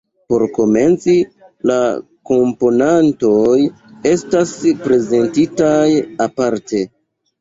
Por komenci, la komponantoj estas prezentitaj aparte.